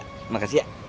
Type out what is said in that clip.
terima kasih ya